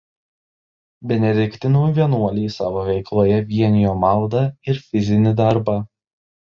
Benediktinų vienuoliai savo veikloje vienijo maldą ir fizinį darbą.